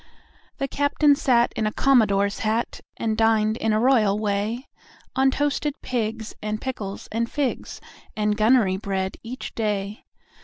The captain sat in a commodore's hat And dined, in a royal way, On toasted pigs and pickles and figs And gummery bread, each day.